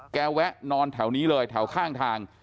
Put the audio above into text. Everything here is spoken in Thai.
แวะนอนแถวนี้เลยแถวข้างทาง